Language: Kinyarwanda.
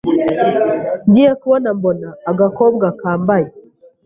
ngiye kubona mbona agakobwa kambaye